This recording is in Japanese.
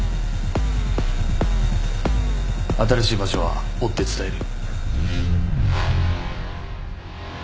新しい場所は追って伝える。